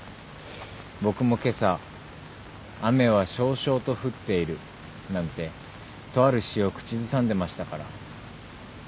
僕も今朝「雨は蕭々と降ってゐる」なんてとある詩を口ずさんでましたから。